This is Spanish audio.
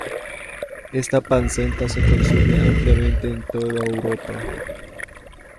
Esta panceta se consume ampliamente en toda Europa.